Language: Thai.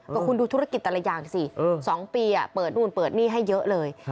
ก็คุณดูธุรกิจแต่ละอย่างสิ๒ปีเปิดนู่นเปิดนี่ให้เยอะเลย